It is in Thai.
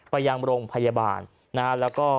ไปยังโรงพยาบาล